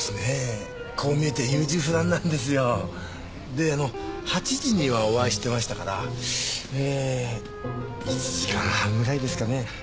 であの８時にはお会いしてましたからえ１時間半ぐらいですかね。